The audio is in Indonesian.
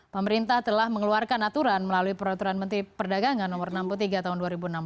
pemerintah telah mengeluarkan aturan melalui peraturan menteri perdagangan no enam puluh tiga tahun dua ribu enam belas